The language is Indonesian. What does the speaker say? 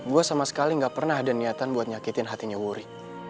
gue sama sekali gak pernah ada niatan buat nyakitin hatinya wuri